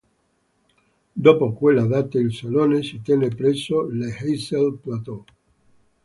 Dopo quella data il salone si tenne presso l'Heysel Plateau.